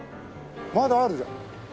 まだあるじゃん。